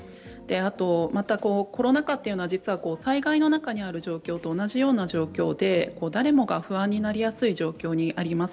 また、コロナ禍というのは実は災害の中にある状況と同じような状況で誰もが不安になりやすい状況にあります。